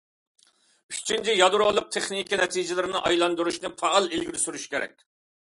ئۈچىنچى، يادرولۇق تېخنىكا نەتىجىلىرىنى ئايلاندۇرۇشنى پائال ئىلگىرى سۈرۈش كېرەك.